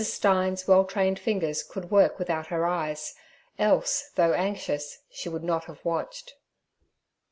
Stein's well trained fingers could work without her eyes, else, though anxious, she would not have watched.